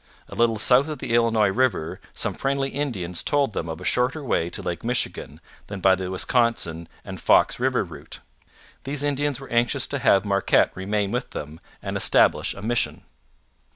A little south of the Illinois river some friendly Indians told them of a shorter way to Lake Michigan than by the Wisconsin and Fox river route. These Indians were anxious to have Marquette remain with them and establish a mission.